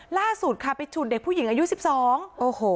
ล่าสุดค่ะไปฉุดเด็กผู้หญิงอายุสิบสองโอ้โห